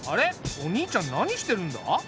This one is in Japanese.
お兄ちゃん何してるんだ？